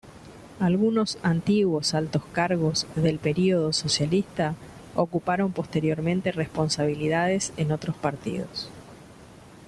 Algunos antiguos altos cargos del período socialista ocuparon posteriormente responsabilidades en otros partidos.